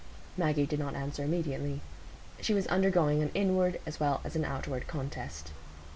Maggie did not answer immediately. She was undergoing an inward as well as an outward contest.